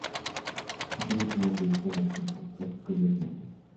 Se tiene clima fresco en las tierras altas y cumbres de montañas.